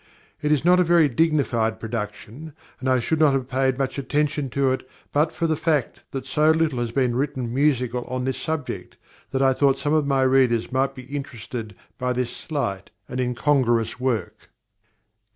It is not a very dignified production, and I should not have paid much attention to it but for the fact that so little has been written musical on this subject that I thought some of my readers might be interested by this slight and incongruous work.